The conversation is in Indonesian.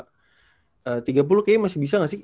tiga puluh kayaknya masih bisa nggak sih